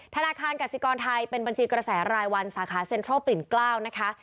ธนาคารกสิกรไทยเป็นบัญชีกระแสรายวันสาขาเซ็นทรัลปลิ่นเกล้านะคะ